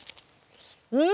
うん！